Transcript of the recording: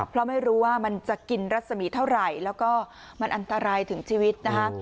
เพราะไม่รู้ว่ามันจะกินรัศมีเท่าไหร่แล้วก็มันอันตรายถึงชีวิตนะคะ